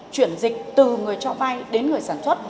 chuyển dịch từ người cho vay đến người sản xuất